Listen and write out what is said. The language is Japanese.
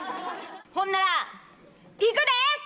ほんならいくで！